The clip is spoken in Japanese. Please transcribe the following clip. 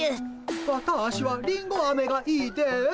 わたしはりんごあめがいいです。